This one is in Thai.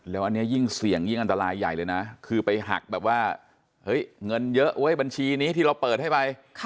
แล้วอันนี้ยิ่งเสี่ยงยิ่งอันตรายใหญ่เลยนะคือไปหักแบบว่าเฮ้ยเงินเยอะเว้ยบัญชีนี้ที่เราเปิดให้ไป